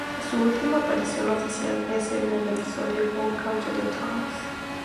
Su última aparición oficial es en el episodio Welcome to the Tombs.